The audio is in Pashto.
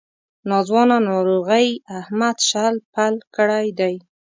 ناځوانه ناروغۍ احمد شل پل کړی دی.